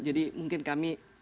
jadi mungkin kami